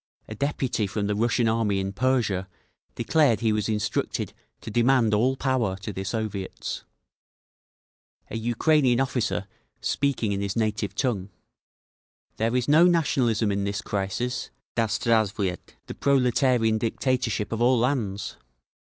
A deputy from the Russian Army in Persia declared he was instructed to demand all power to the Soviets…. A Ukrainean officer, speaking in his native tongue: "There is no nationalism in this crisis…. Da zdravstvuyet the proletarian dictatorship of all lands!"